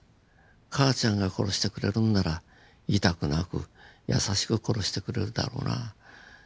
母ちゃんが殺してくれるんなら痛くなく優しく殺してくれるだろうな。